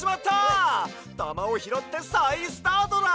たまをひろってさいスタートだ！